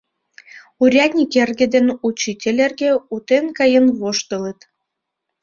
Урядник эрге ден учитель эрге утен каен воштылыт.